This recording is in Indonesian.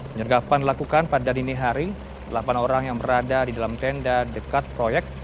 penyergapan dilakukan pada dini hari delapan orang yang berada di dalam tenda dekat proyek